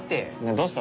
どうした？